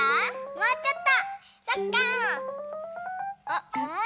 もうちょっと。